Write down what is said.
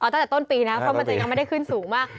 ตั้งแต่ต้นปีนะเพราะมันจะยังไม่ได้ขึ้นสูงมาก